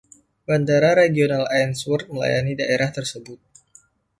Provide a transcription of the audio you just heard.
Bandara Regional Ainsworth melayani daerah tersebut.